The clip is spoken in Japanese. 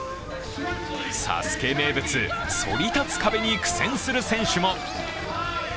ＳＡＳＵＫＥ名物、そり立つ壁に苦戦する選手も。